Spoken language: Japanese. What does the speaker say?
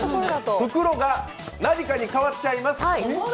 袋が何かに変わっちゃいます。